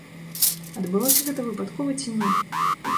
Адбылося гэта выпадкова ці не?